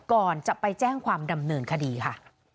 ก่อนจะไปแจ้งความดำเนินคดีค่ะ